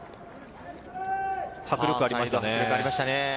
迫力がありましたね。